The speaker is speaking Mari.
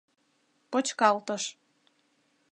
Почкалтыш